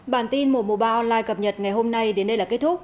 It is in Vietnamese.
bản tin mùa mùa ba online cập nhật ngày hôm nay đến đây là kết thúc